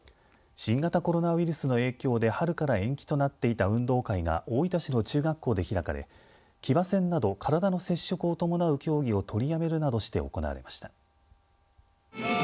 新型コロナウイルスの影響で春から延期となっていた運動会が大分市の中学校で開かれ騎馬戦など体の接触を伴う競技を取りやめるなどして行われました。